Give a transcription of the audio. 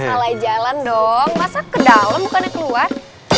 salah jalan dong masak ke dalam bukannya keluar